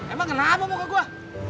emang kenapa muka gua